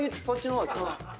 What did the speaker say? そっちの方。